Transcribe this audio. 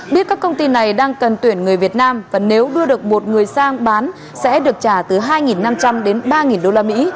biết các công ty này đang cần tuyển người việt nam và nếu đưa được một người sang bán sẽ được trả từ hai năm trăm linh đến ba usd